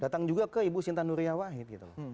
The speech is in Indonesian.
datang juga ke ibu sinta nuria wahid gitu loh